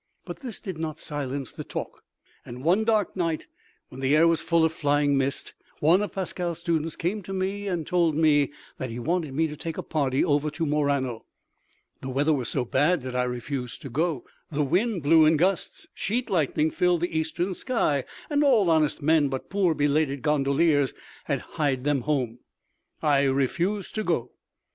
But this did not silence the talk, and one dark night, when the air was full of flying mist, one of Pascale's students came to me and told me that he wanted me to take a party over to Murano. The weather was so bad that I refused to go—the wind blew in gusts, sheet lightning filled the Eastern sky, and all honest men, but poor belated gondoliers, had hied them home. I refused to go.